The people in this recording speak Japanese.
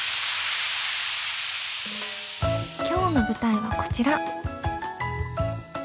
今日の舞台はこちら。